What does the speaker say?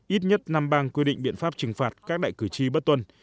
ít nhất năm bang quy định biện pháp trừng phạt các đại cử tri bất tuân